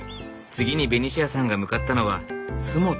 次にベニシアさんが向かったのは洲本。